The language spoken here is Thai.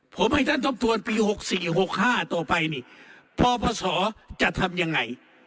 ผมให้ท่านทำตรวจปีหกสี่หกห้าต่อไปนี่พ่อพระสอบจะทำยังไง